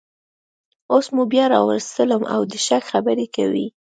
اوس مو بیا راوستلم او د شک خبرې کوئ